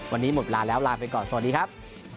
วันนี้หมดเวลาแล้วลาไปก่อนสวัสดีครับ